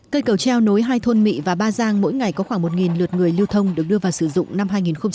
cây cầu treo nối hai thôn mỹ và ba giang mỗi ngày có khoảng một lượt người lưu thông được đưa vào sử dụng năm hai nghìn chín